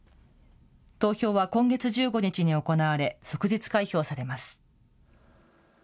投票は今月１５日に行われ即日開票されます。